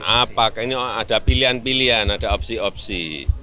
apakah ini ada pilihan pilihan ada opsi opsi